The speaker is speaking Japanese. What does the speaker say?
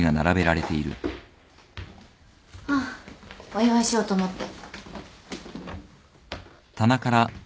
ああお祝いしようと思って。